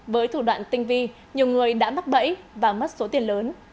với thủ đoạn tinh vi nhiều người đã mắc bẫy và mất số tiền lớn